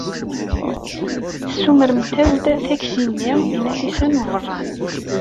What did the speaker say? Tessumremt-as-d takti-nni i Nafisa n Ubeṛṛan.